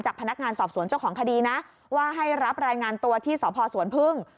พนักงานสอบสวนเจ้าของคดีนะว่าให้รับรายงานตัวที่สพสวนพึ่ง